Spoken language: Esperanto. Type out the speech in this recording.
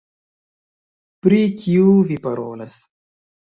Pri kiu vi parolas?